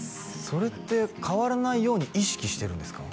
それって変わらないように意識してるんですか？